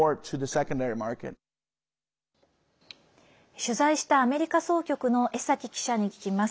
取材したアメリカ総局の江崎記者に聞きます。